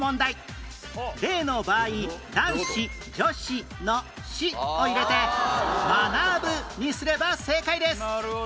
例の場合男子女子の「子」を入れて「学ぶ」にすれば正解です